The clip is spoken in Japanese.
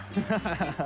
ハハハ